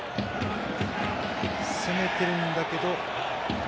攻めているんだけど。